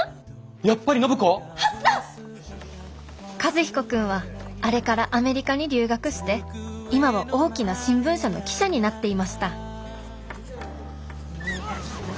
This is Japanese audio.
和彦君はあれからアメリカに留学して今は大きな新聞社の記者になっていました